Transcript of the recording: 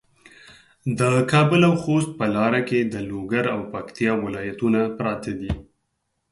د کابل او خوست په لاره کې د لوګر او پکتیا ولایتونه پراته دي.